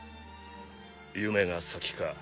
夢が先か？